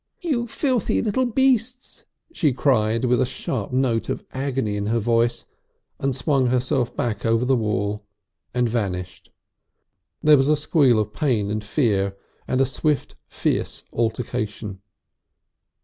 "You filthy little Beasts!" she cried with a sharp note of agony in her voice, and swung herself back over the wall and vanished. There was a squeal of pain and fear, and a swift, fierce altercation.